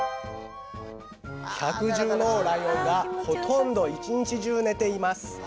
百獣の王ライオンがほとんど一日中寝ています